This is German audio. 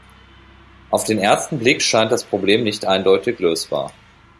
Auf den ersten Blick scheint das Problem nicht eindeutig lösbar.